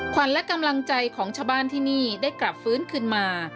ขวัญและกำลังใจของชาวบ้านที่นี่ได้กลับฟื้นขึ้นมา